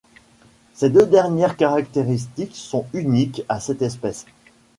Ces deux dernières caractéristiques sont uniques à cette espèce.